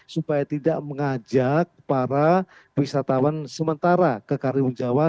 supaya tidak mengajak para wisatawan sementara ke karimun jawa